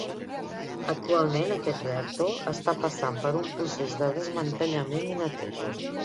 Actualment, aquest reactor està passant per un procés de desmantellament i neteja.